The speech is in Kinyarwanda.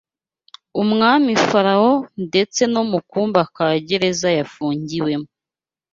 umwami Farawo ndetse no mu kumba ka gereza yafungiwemo